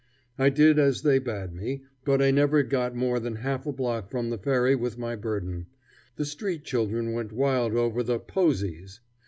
I did as they bade me, but I never got more than half a block from the ferry with my burden. The street children went wild over the "posies."